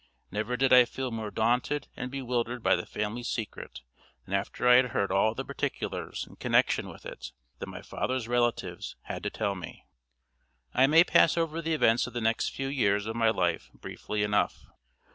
Never did I feel more daunted and bewildered by the family secret than after I had heard all the particulars in connection with it that my father's relatives had to tell me. I may pass over the events of the next few years of my life briefly enough.